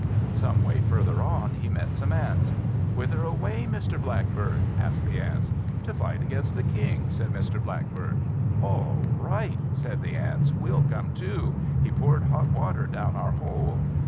Some way further on, he met some Ants. "Whither away, Mr. Blackbird?" said the Ants. "To fight against the King," said Mr. Blackbird. "All right," said the Ants, "we'll come too; he poured hot water down our hole."